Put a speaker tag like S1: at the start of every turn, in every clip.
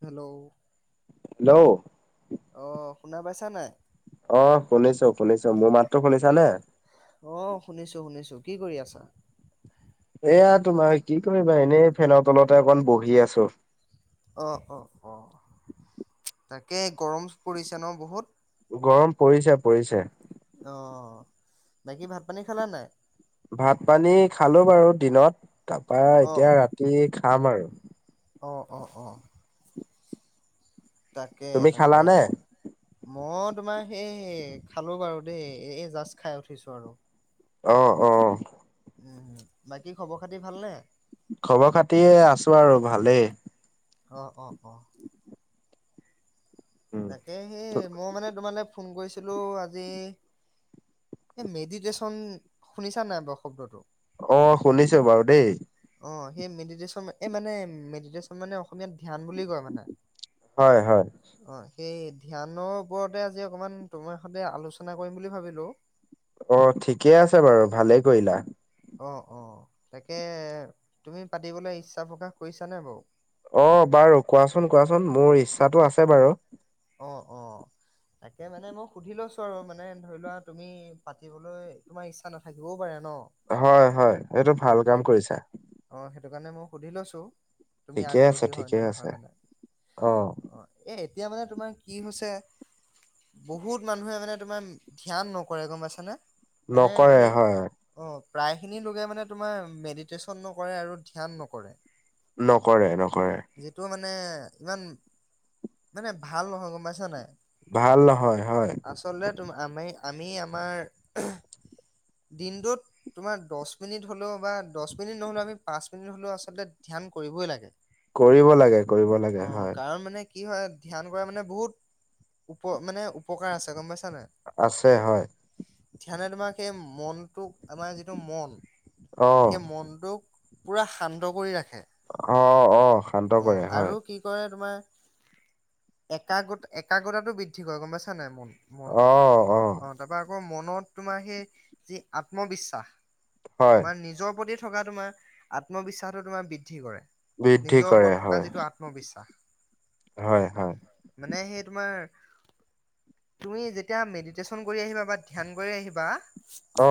S1: Hello
S2: hello
S1: অ শুনা পাইছা নাই?
S2: অ শুনিছোঁ শুনিছোঁ। মোৰ মাতটো শুনিছা নে?
S1: অ' শুনিছো শুনিছো কি কৰি আছা?
S2: এয়া তোমাৰ কি কৰিবা এনেই ফেনৰ তলতে অকণ বহি আছো।
S1: অ অ অ তাকে গৰম পৰিছে ন বহুত
S2: গৰম পৰিছে পৰিছে
S1: অ বাকী ভাত পানী খালা নাই
S2: ভাত পানী খালো বাৰু দিনত তাৰপৰা
S1: অ'
S2: এতিয়া ৰাতি খাম আৰু
S1: অ অ অঁ তাকে
S2: তুমি
S1: তাকে
S2: খালানে?
S1: মই তোমাৰ সেই খালো বাৰু দেই এ জাষ্ট খাই উঠিছোঁ আৰু
S2: অহ অহ
S1: উম বাকী খবৰ খাতি ভালনে
S2: খবৰ খাতি এ আছোঁ আৰু ভালেই
S1: অঁহ অঁহ অহ‍ঁ
S2: উম
S1: তাকে সেই মই মানে তোমালৈ ফোন কৰিছিলোঁ আজি এই মেডিটেশ্যচন শুনিছা নাই বাৰু শব্দটো
S2: অ শুনিছোঁ বাৰু দেই
S1: অঁ সেই মেডিটেশ্যন এই মানে মেডিটেশ্যন মানে অসমীয়াত ধ্যান বুলি কয় মানে
S2: হয় হয়
S1: অ সেই ধ্যানৰ ওপৰতে আজি অকণমান তোমাৰ সৈতে আলোচনা কৰিম বুলি ভাবিলোঁ
S2: অ ঠিকেই আছে বাৰু ভালেই কৰিলা
S1: অ অ তাকে তুমি পাতিবলৈ ইচ্ছা প্ৰকাশ কৰিছানে বাৰু
S2: অ বাৰু কোৱাচোন কোৱাচোন মোৰ ইচ্ছাটো আছে বাৰু
S1: অঁ অঁ তাকে মানে মই সুধি লৈছো আৰু মানে ধৰি লোৱা তুমি পাতিবলৈ তোমাৰ ইচ্ছা নাথাকিবও পাৰে ন
S2: হয় হয় এইটো
S1: অ
S2: ভাল
S1: সেইটো
S2: কাম কৰিছা
S1: অ সেইটো কাৰণে মই সুধি লৈছো তুমি
S2: ঠিকে আছে
S1: আগ্ৰহী হয়
S2: ঠিকে
S1: নে
S2: আছে।
S1: নহয় মানে
S2: অ
S1: অ এ এতিয়া মানে তোমাৰ কি হৈছে বহুত মানুহে মানে তোমাৰ ধ্যান নকৰে গম পাইছানে মানে
S2: নকৰে
S1: এই
S2: হয়
S1: অ প্ৰায় খিনি লোকে মানে তোমাৰ মেডিটেশচন নকৰে আৰু ধ্যান নকৰে
S2: নকৰে নকৰে
S1: যিটো মানে ইমান মানে ভাল নহয় গম পাইছ নাই
S2: ভাল নহয় হয়
S1: আচলতে আমি আমি আমাৰ দিনটোত তোমাৰ দহ মিনিট হ'লেও বা দহ মিনিট নহ'লেও আমি পাঁচ মিনিট হ'লেও আচলতে ধ্যান কৰিবই লাগে
S2: কৰিব লাগে কৰিব
S1: অ
S2: লাগে হয়
S1: কাৰণ মানে কি হয় ধ্যান কৰা মানে বহুত উপ মানে উপকাৰ আছে গম পাইছে
S2: আছে হয়
S1: ধ্যানে তোমাৰ সেই মনটোক আমাৰ যিটো মন
S2: অ
S1: সেই মনটোক পোৰা শান্ত কৰি ৰাখে
S2: অ অ শান্ত কৰে হয়
S1: একাগ্ৰত একাগ্ৰতাটো বৃদ্ধি কৰে গম পাইছা নাই মন মন
S2: আহ অ
S1: মনত তোমাৰ সেই যি আত্মবিশ্বাস
S2: হয়
S1: তোমাৰ নিজৰ প্ৰতি থকা তোমাৰ আত্মবিশ্বাসো তোমাৰ বৃদ্ধি কৰে
S2: বৃদ্ধি
S1: নিজৰ
S2: কৰে
S1: ওপৰত থকা
S2: হয়
S1: যিটো আত্মবিশ্বাস
S2: হয় হয়
S1: মানে সেই তোমাৰ তুমি যেতিয়া মেডিটেশ্যন কৰি আহিবা বা ধ্যান কৰি আহিবা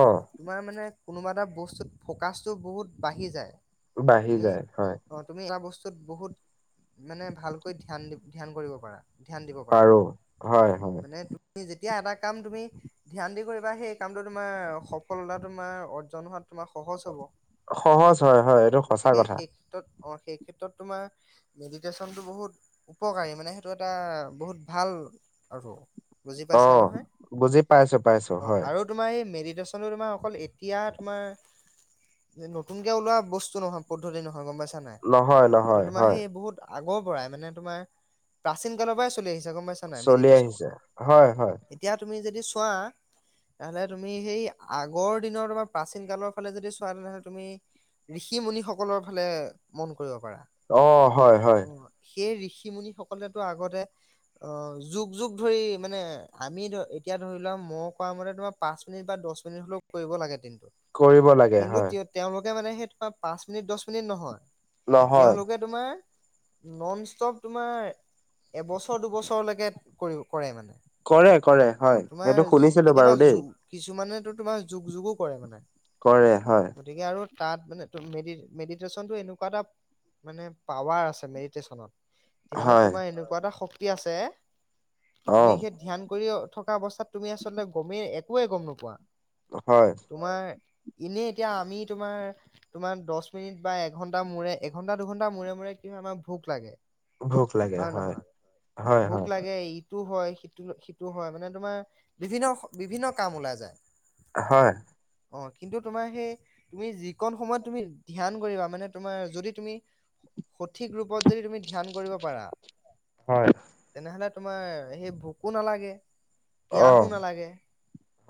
S2: অ
S1: মানে কোনোবা এটা বস্তুত ফকাৰ্চতটো বহুত বাঢ়ি যায়
S2: বাঢ়ি
S1: তুমি
S2: যায় হয়
S1: অ তুমি এটা বস্তুত বহুত মানে ভালকৈ ধ্যান ধ্যান কৰিব পাৰা ধ্যান দিব পাৰা
S2: পাৰো হয় হয়
S1: এতিয়া এটা কাম তুমি ধ্যান দি কৰিবা সেই কামটো তোমাৰ সফলতা তোমাৰ অৰ্জন হোৱাতৃ তোমাৰ সহজ হ'ব অ
S2: সহজ হয় হয় এইটো সঁচা
S1: গতিকে
S2: কথা
S1: সেই ক্ষেত্ৰত অ সেই ক্ষেত্ৰত তোমাৰ মেডিটেশ্যনটো বহুত উপকাৰী মানে সেইটো এটা বহুত ভাল আৰু বুজি
S2: অ
S1: পাইছা নহয়
S2: বুজি পাইছো পাইছো হয়
S1: দৰ্শন তোমাৰ অকল এতিয়া তোমাৰ যে নতুনকে ওলোৱা বস্তু নহয় পদ্ধতি নহয় গম পাইছো
S2: নহয় নহয় হয়
S1: আগৰ পৰাই মানে তোমাৰ প্ৰাচীন কালৰ পৰাই চলি আহিছে গম পাইছে মেধি
S2: চলি
S1: ৰেচন
S2: আহিছে হয় হয়
S1: এতিয়া যদি তুমি খোৱা তেহলে তুমি সেই আগৰ দিনৰ তোমাৰ প্ৰাচীন কালৰ ফালে যদি চোৱা তেনেহ'লে তুমি ঋষি মুনি সকলৰ ফালে মন কৰিব পাৰা
S2: অ হয় হয়
S1: অ সেই ঋষি মুুনি সকলে তো আগতে অ যুগ যুগ ধৰি মানে আমি ধ এতিয়া ধৰি লোৱা ম কৰা মতে তোমাৰ পাঁচ মিনিট বা দহ মিনিট হ'লেও কৰিব লাগে দিনটো
S2: কৰিব লাগে
S1: কিন্তু
S2: হয়
S1: তেওঁ তেওঁলোকে মানে সেই তোমাৰ পাঁচ মিনিট দহ মিনিট নহয়
S2: নহয়
S1: তেওঁলোকে তোমাৰ ন ষ্টপ তোমাৰ এবছৰ দুবছৰলৈকে কৰে মানে
S2: কৰে কৰে
S1: অ
S2: হয়
S1: তোমাৰ
S2: সেইটো শুনিছিলো
S1: কেতিয়াবা
S2: বাৰু দেই
S1: কিছুমানে তোমাৰ যুগ যুগো কৰে মানে
S2: কৰে, হয়।
S1: গতিকে আৰু তাত মানে, মে মেডিটেশ্যনতটো এনেকুৱা এটা, মানে পাৱাৰ আছে মেডিটেশ্যনত। ধ্যানত
S2: হয়
S1: তোমাৰ এনেকুৱা এটা শক্তি আছে,
S2: অ
S1: তুমি সেই ধ্যান কৰিয়ে থকা অৱস্থাত তুমি আচলতে গমেই একোৱে গম নোপোৱা।
S2: হয়
S1: তোমাৰ এনে এতিয়া আমি তোমাৰ-তোমাৰ দহ মিনিট বা এঘণ্টা মূৰে এঘণ্টা, দুঘণ্টা মূৰে-মূৰে আমাৰ ভোক লাগে,
S2: ভোক লাগে হয়
S1: হয়-নহয়?
S2: হয়
S1: ভোক
S2: হয়
S1: লাগে ই ইটো হয় সিটো-সিটো হয়, মানে তোমাৰ বিভিন্ন-বিভিন্ন কাম ওলাই যায়।
S2: হয়।
S1: অ, কিন্তু তোমাৰ সেই, তুমি যিকন সময়ত তুমি ধ্যান কৰিবা, মানে তোমাৰ যদি তুমি সঠিক ৰূপত যদি তুমি ধ্যান কৰিব পাৰা।
S2: হয়
S1: তেনেহলে তোমাৰ সেই ভোকো নালাগে।
S2: অ
S1: পিয়াহো নালাগে,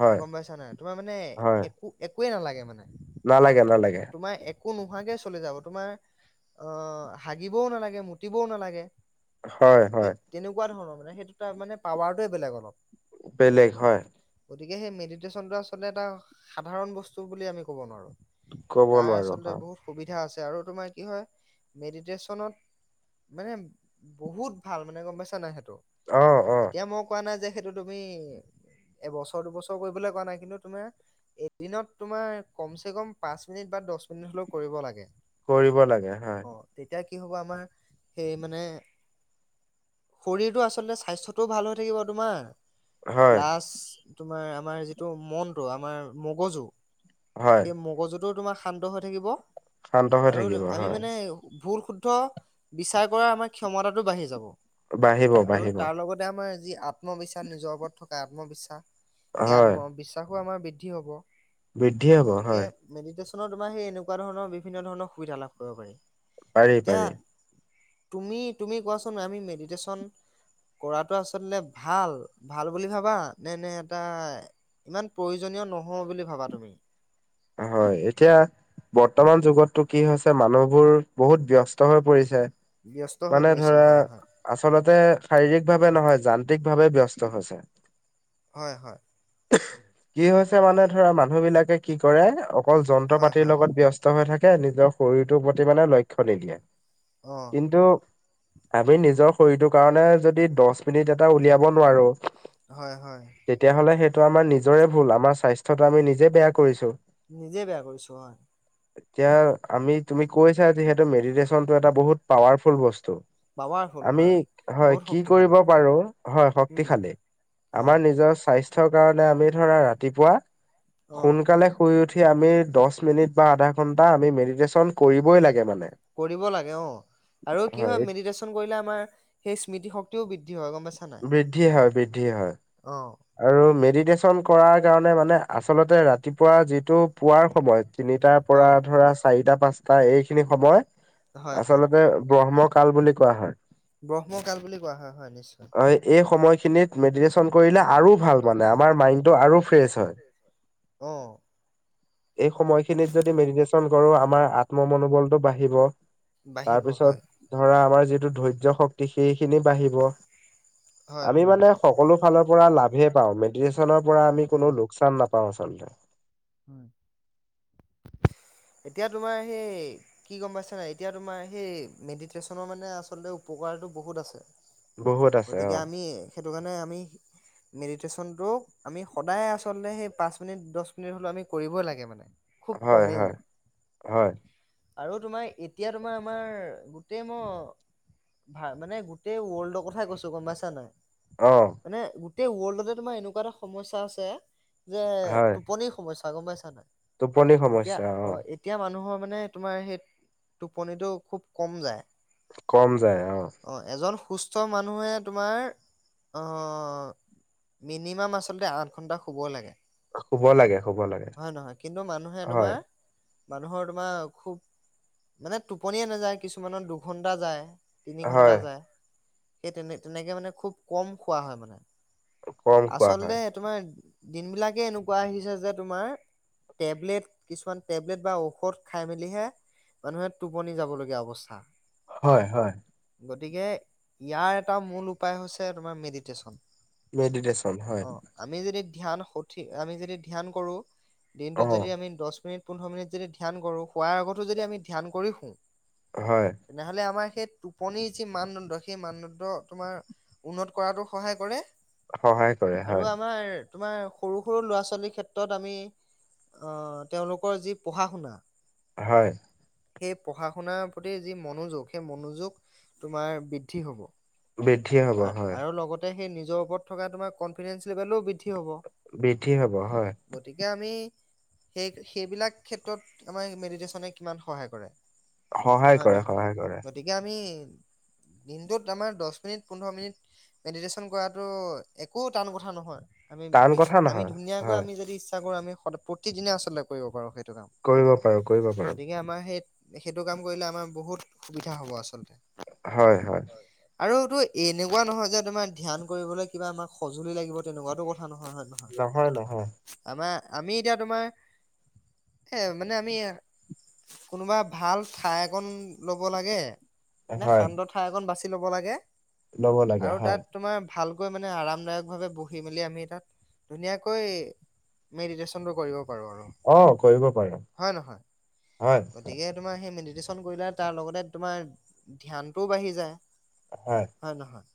S2: হয়
S1: গম পাইছা নাই, তোমাৰ মানে একো-একোৱে নালাগে মানে
S2: নালাগে-নালাগে।
S1: তোমাৰ একো নোহোৱাকে চলি যাব, তোমাৰ অ, হাগিবও নালাগে, মুতিবও নালাগে।
S2: হয়
S1: এ
S2: হয়
S1: তেনেকুৱা ধৰণৰ মানে, সেইটো তাৰ মানে পাৱাৰটোৱে বেলেগ অলপ।
S2: বেলেগ, হয়
S1: গতিকে, সেই মেডিটেশ্যনটো আচলতে এটা সাধাৰণ বস্তু বুলি আমি ক'ব নোৱাৰো।
S2: ক'ব
S1: তাৰ
S2: নোৱাৰো
S1: আচলতে
S2: হয়
S1: বহুত সুবিধা আছে, আৰু তোমাৰ কি হয়, মেডিটেশ্যনত মানে, বহুত ভাল, মানে গম পাইছা নাই সেইটো,
S2: অ অ
S1: এতিয়া মই কোৱা নাই যে সেইটো তুমি এবছৰ, দুবছৰ কৰিবলৈ কোৱা নাই, কিন্তু তোমাৰ এদিনত তোমাৰ কমচে কম পাঁচ মিনিট বা দহ মিনিট হ'লেও কৰিব লাগে।
S2: কৰিব লাগে।
S1: অ
S2: হয়
S1: তেতিয়া কি হ'ব আমাৰ সেই মানে শৰীৰটো, আচলতে স্বাস্থ্যটোও ভাল হৈ থাকিব তোমাৰ।
S2: হয়
S1: প্লাচ তোমাৰ আমাৰ যিটো মনটো আমাৰ মগজু
S2: হয়
S1: সেই মগজুতোও তোমাৰ শান্ত হৈ থাকিব।
S2: শান্ত হৈ
S1: আৰু
S2: থাকিব
S1: আমি
S2: হয়
S1: মানে ভুল, শুদ্ধ বিচাৰ কৰা আমাৰ ক্ষমতাটো বাঢ়ি যাব। আৰু
S2: বাঢ়িব-বাঢ়িব।
S1: তাৰ লগতে আমাৰ যি আত্মবিশ্বাস নিজৰ ওপৰত থকা আত্মবিশ্বাস, সেই
S2: হয়
S1: আত্মবিশ্বাসো আমাৰ বৃদ্ধি হ'ব।
S2: বৃদ্ধি হ'ব
S1: গতিকে
S2: হয়।
S1: মেডিটেশ্যনৰ তোমাৰ সেই এনেকুৱা ধৰণৰ, বিভিন্ন ধৰণৰ সুবিধা লাভ কৰিব পাৰি।
S2: পাৰি-পাৰি।
S1: তুমি-তুমি কোৱাচোন আমি মেডিটেশ্যন কৰাটো আচলতে ভাল? ভাল বুলি ভাবা, নে-নে এটা ইমান প্ৰয়োজনীয় নহয় বুলি ভাবা তুমি?
S2: হয়, এতিয়া বৰ্তমান যুগতটো কি হৈছে, মানুহবোৰ বহুত ব্যস্ত হৈ পৰিছে।
S1: ব্যস্ত হৈ
S2: মানে
S1: পৰিছে
S2: ধৰা,
S1: হয় হয়
S2: আচলতে শাৰীৰিকভাৱে নহয়, যান্ত্ৰিকভাৱে ব্যস্ত হৈছে।
S1: হয়-হয়
S2: কি হৈছে, মানে ধৰা মানুহ বিলাকে কি কৰে অকল যন্ত্ৰ
S1: হয়
S2: পাতিৰ
S1: হয়
S2: লগত ব্যস্ত হৈ থাকে। কিয় নিজৰ শৰীৰটোৰ প্ৰতি মানে লক্ষ্য নিদিয়ে।
S1: অ
S2: কিন্তু আমি নিজৰ শৰীৰটোৰ কাৰণে, যদি দহ মিনিট এটা উলিয়াব নোৱাৰো
S1: হয়-হয়
S2: টো আমাৰ নিজৰে ভুল, আমাৰ স্বাস্থ্যটো আমি নিজে বেয়া কৰিছো।
S1: নিজে বেয়া কৰিছো, অ-
S2: এতিয়া আমি তুমি কৈছা যে, সেইটো মেডিটেশচন টো এটা বহুত পাৱাৰফুল বস্তু।
S1: পাৱাৰফুল
S2: আমি,
S1: হয়
S2: হয়
S1: বহুত
S2: কি কৰিব
S1: শক্তিশালী
S2: পাৰো, হয়
S1: উম
S2: শক্তিশালী
S1: অ
S2: আমাৰ নিজৰ স্বাস্থ্যৰ কাৰণে আমি ধৰা, ৰাতিপুৱা
S1: অ
S2: সোনকালে শুই উঠি উঠি আমি দহ মিনিট বা আধা ঘণ্টা আমি মেডিটেশ্যন কৰিবই লাগে মানে।
S1: কৰিব লাগে অ আৰু কি হয় মেডিটেশ্যন কৰিলে আমাৰ সেই স্মৃতি শক্তিও বৃদ্ধি। হয় গম পাইছা নাই
S2: বৃদ্ধিয়ে হয় বৃদ্ধিয়ে হয়।
S1: অ
S2: আৰু মেডিটেশ্যন কৰাৰ কাৰণে মানে আচলতে ৰাতিপুৱা যিটো পোৱাৰ সময়ত। তিনিটাৰ পৰা
S1: অ'
S2: ধৰা চাৰিটা পাঁচটা এইখিনি সময়
S1: হয় হয়
S2: আচলতে ব্ৰহ্ম। কাল বুলি কোৱা হয়।
S1: ব্ৰহ্মকাল বুলি কোৱা হয় হয় নিশ্চয়।
S2: খিনিত মেডিয়েচন কৰি।
S1: অ'
S2: আৰু ভাল মানে আমাৰ মাইণ্ডটো আৰু ফ্ৰেছ হয়।
S1: অ'
S2: এই সময়খিনিত যদি মেডিটেশ্যন কৰো আমাৰ আত্ম মনোবলটো বাঢ়িব।
S1: বাঢ়িব
S2: তাৰপিছত
S1: হয়
S2: ধৰা আমাৰ যিটো ধৈৰ্য শক্তি। সেইখিনি বাঢ়িব
S1: হয়
S2: আমি
S1: হয়
S2: মানে সকলো ফালৰ পৰা লাভেই পাও মেদিতেছ। চনৰ পৰা আমি
S1: উম উম
S2: কোনো লোকচান নাপাওঁ আচলতে।
S1: হয়। এতিয়া তোমাৰ সেই কি গম পাইছা নাই এতিয়া তোমাৰ সেই মেডিতেছনৰ ৰ মানে আচলতে উপক। কাৰ টো বহুত আছে
S2: বহুত আছে অ
S1: গতিকে আমি হেতু কাৰনে আমি মেদি। টেশ্যনটোক আমি সদায় আচলতে সেই পাঁচ মিনিট দহ মিনিট হ'লেও আমি কৰিবই লাগে মানে। খুব
S2: হয়
S1: কমেও
S2: হয় হয়!
S1: আৰু তোমাৰ এতিয়া তোমাৰ আমাৰ গোটেই ম- ভা মানে গোটেই ৱৰ্ল্ডৰ কথাই কৈছো গম পাইছা নাই?
S2: অ
S1: মানে গোটেই ৱৰ্ল্ডতে তোমাৰ এনেকুৱা এটা সমস্যা আছে যে
S2: হয়।
S1: টোপনিৰ সমস্যা গম পাইছা নাই
S2: টোপনি
S1: এতিয়া
S2: সমস্যা
S1: অ এতিয়া মানুহৰ। মানে তোমাৰ সেই টোপনিটো খুব কম যায়।
S2: কম যায় অঁ!
S1: অ এজন সুস্থ মানুহে তোমাৰ অঁ! মিনিমাম আচলতে আঠ ঘন্টা শুব লাগে।
S2: শুব লাগে। শুব লাগে
S1: হয় নহয় কিন্তু মানুহে
S2: হয়।
S1: তোমাৰ। মানুহৰ তোমাৰ খুব মানে টোপনিয়ে নাযায় কিছুমানৰ দুঘন্টা যায়। তিনি
S2: হয়
S1: ঘণ্টা যায় সেই তেনে তেনেকে মানে খুব কম খোৱা হয় মানে।
S2: কম খোৱা হয়
S1: আচলতে তোমাৰ দিন বিলাকে এনেকুৱা আহিছে যে তোমাৰ। টেবলেট কিছুমান টেবলেট বা ঔষধ খাই মেলিহে মানুহে টোপনি যাবলগীয়া অৱস্থা
S2: হয় হয়
S1: গতিকে ইয়াৰ এটা মূল উপায় হৈছে তোমাৰ মেডিটেশ্যন
S2: মেডিতেচন হয়
S1: অ আমি যদি ধ্যান সঠিক আমি যদি ধ্যান কৰো
S2: অ
S1: দিনটোত যদি আমি দছ মিনিট পোন্ধৰ মিনিট যদি ধ্যান কৰো শোৱাৰ আগতো যদি আমি ধ্যান কৰি শু
S2: হয়
S1: তেনেহ'লে আমাৰ সেই টোপনিৰ যি মানদণ্ড সেই মানদণ্ড তোমাৰ উন্নত কৰাতো সহায় কৰে
S2: সহায় কৰে
S1: আৰু
S2: হয়
S1: আমাৰ তোমাৰ সৰু সৰু ল'ৰা ছোৱালীৰ ক্ষেত্ৰত আমি অ তেওঁলোকৰ যি পঢ়া শুনা
S2: হয়
S1: সেই পঢ়া শুনাৰ প্ৰতি যি মনোযোগ সেই মনোযোগ তোমাৰ বৃদ্ধি হব
S2: বৃদ্ধি হ'ব
S1: আৰ
S2: হয়
S1: আৰু লগতে সেই নিজৰ ওপৰত থকা তোমাৰ কনফিডেন্ঞ্চ লেভেলও বৃদ্ধি হ'ব
S2: বেঠি হব হয়
S1: গতিকে আমি সেই সেইবিলাক ক্ষেত্ৰত আমাৰ মেডিতেশনে কিমান সহায় কৰে
S2: সহায়
S1: হয়
S2: কৰে
S1: নহয়
S2: সহায় কৰে
S1: গতিকে আমি দিনটোত আমাৰ দছ মিনিট পোন্ধৰ মিনিট মেডিটেশ্যন কৰাটো একো টান কথা নহয় আমি
S2: টান কথা
S1: আমি
S2: নহয়
S1: ধুনীয়াকৈ
S2: হয়
S1: আমি যদি আমি প্ৰতিদিনে আচলতে কৰিব পাৰো সেই
S2: কৰিব পাৰো কৰিব পাৰো
S1: সেই সেইটো কাম কৰিলে আমাৰ বহুত সুবিধা হব আচলতে
S2: হয় হয়
S1: আৰুতো এনেকুৱা নহয় যে তোমাৰ ধ্যান কৰিবলৈ কিবা আমাক সজুলি লাগিব তেনেকুৱাতো কথা নহয় হয় নহয় আমাৰ আমি এতিয়া তোমাৰ এ মানে আমি কোনোবা ভাল ঠাই অকন লব লাগে। মানে
S2: হয়
S1: সান্দহ ঠাই অকন বাছি ল'ব লাগে।
S2: ল'ব লাগে হয়
S1: গৈ আৰামদায়ক ভাৱে বহি মেলি আমি তাত ধুনীয়া কৈ মেডিশনটো কৰিব পাৰোঁ আৰু
S2: অ কৰিব পাৰা।
S1: হয় নহয় গতিকে তোমাৰ সেই মেডিটেশ্যন কৰিলে তাৰ লগতে তোমাৰ ধ্যানটোও বাঢ়ি যায়। হয় নহয়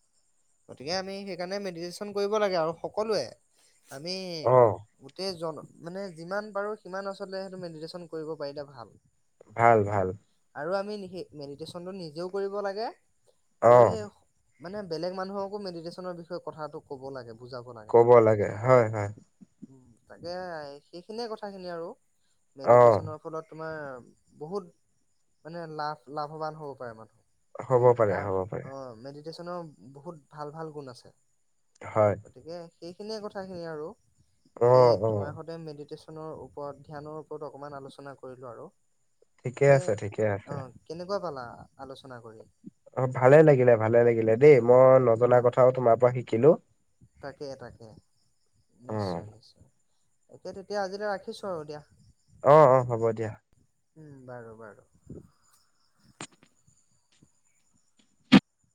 S1: গতিকে আমি সেইকাৰণে মেডিটেশ্যন কৰিব লাগে আৰু সকলোৱে আমি
S2: অ'
S1: গোটেই জন মানে যিমান পাৰো সিমান আচলতে সটো মেডিটেশচন কৰিব পাৰিলে ভাল
S2: ভাল ভাল
S1: আৰু আমি সেই মেডিটেশ্যনটো নিজেও কৰিব লাগে আৰু
S2: অ'
S1: সেই মানে বেলেগ মানুহকো মেডিটেশ্যনৰ বিষয়ে কথাটো ক'ব লাগে। বুজাব লাগে।
S2: কব লাগে হয় হয়
S1: উম তাকে সেইখিনিয়ে কথাখিনি আৰু
S2: অ'
S1: মেডিটেশ্যনৰ ফলত তোমাৰ বহুত মানে লাভ লাভৱান হ'ব পাৰে মানুহ
S2: হ'ব পাৰে
S1: তাৰ
S2: হ'ব
S1: অ
S2: পাৰে
S1: বহুত ভাল ভাল গুণ আছে
S2: হয়
S1: গতিকে সেইখিনিয়ে কথাখিনি আৰু
S2: অ'
S1: সেই তোমাৰ
S2: অ'
S1: সতে মেডিটেশ্যনৰ ওপৰত ধ্যানৰ ওপৰত অকমান আলোচনা কৰিলো আৰু
S2: ঠিকে
S1: তাকে
S2: আছে ঠিকে
S1: অ
S2: আছে।
S1: কেনেকুৱা পালা আলোচ
S2: অ ভালে লাগিলে ভালে লাগিলে দেই মই
S1: অ
S2: নজনা কথাও তোমাৰ পৰা শিকিলো
S1: তাকে তাকে
S2: অ'
S1: নিশ্চয় নিশ্চয় তাকে তেতিয়া আজিলৈ ৰাখিছো আৰু দিয়া।
S2: অ অ হ'ব দিয়া।
S1: উম বাৰু বাৰু